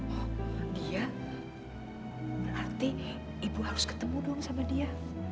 oh dia berarti ibu harus ketemu dong sama dia